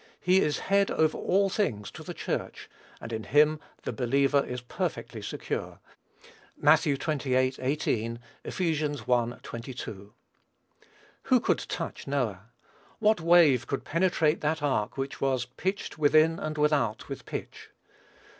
He is "head over all things to the Church," and in him the believer is perfectly secure. (Matt. xxviii. 18; Eph. i. 22.) Who could touch Noah? What wave could penetrate that ark which was "pitched within and without with pitch?"